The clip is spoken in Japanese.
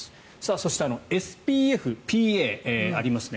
そして、ＳＰＦＰＡがありますね。